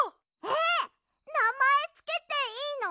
えっなまえつけていいの？